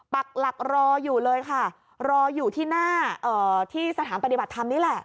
ปักหลักรออยู่เลยค่ะรออยู่ที่หน้าที่สถานปฏิบัติธรรมนี่แหละ